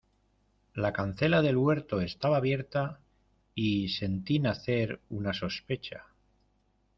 la cancela del huerto estaba abierta, y sentí nacer una sospecha